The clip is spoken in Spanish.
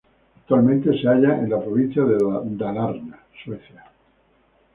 Actualmente se halla en la provincia de Dalarna, Suecia.